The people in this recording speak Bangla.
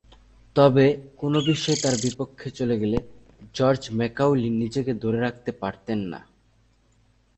তবে, কোন বিষয় তার বিপক্ষে চলে গেলে জর্জ ম্যাকাউলি নিজেকে ধরে রাখতে পারতেন না।